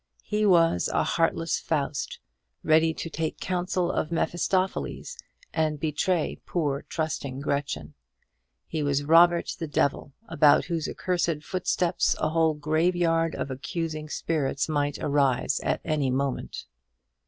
He was a heartless Faust, ready to take counsel of Mephistopheles and betray poor trusting Gretchen. He was Robert the Devil, about whose accursed footsteps a whole graveyard of accusing spirits might arise at any moment.